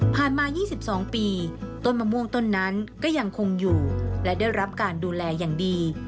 มา๒๒ปีต้นมะม่วงต้นนั้นก็ยังคงอยู่และได้รับการดูแลอย่างดี